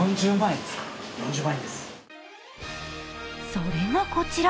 それがこちら。